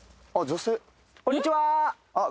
こんにちはあっ